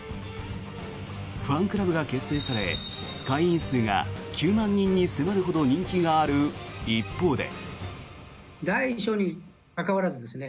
ファンクラブが結成され会員数が９万人に迫るほどに人気がある一方で。